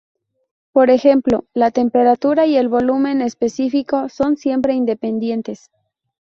Por ejemplo, la temperatura y el volumen específico son siempre independientes.